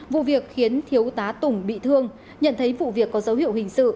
vụ việc khiến thiếu tá tùng bị thương nhận thấy vụ việc có dấu hiệu hình sự